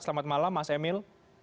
selamat malam mas emil